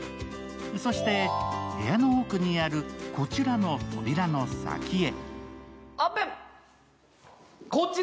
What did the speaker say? そして部屋の奥にあるこちらの扉の先へ。